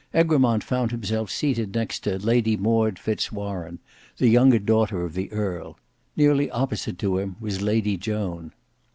Egremont found himself seated next to Lady Maud Fitz Warene, the younger daughter of the earl. Nearly opposite to him was Lady Joan.